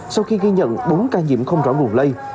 sau khi ghi nhận bốn ca nhiễm không rõ nguồn lây